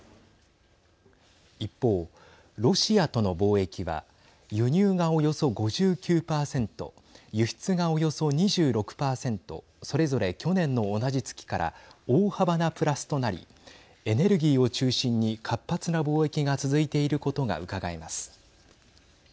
一方、ロシアとの貿易は輸入が、およそ５９％輸出が、およそ２６％それぞれ、去年の同じ月から大幅なプラスとなりエネルギーを中心に活発な貿易が続いていることがうかがえます。